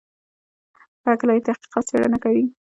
په هکله یې تحقیق او څېړنه کوي.